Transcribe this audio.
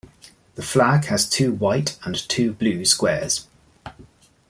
The flag has two white and two blue squares.